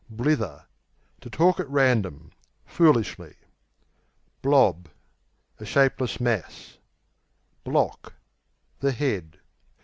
Blither To talk at random, foolishly. Blob A shapeless mass. Block The head.